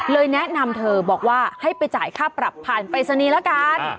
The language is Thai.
แนะนำเธอบอกว่าให้ไปจ่ายค่าปรับผ่านปริศนีย์ละกัน